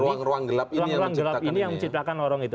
ruang ruang gelap ini yang menciptakan lorong itu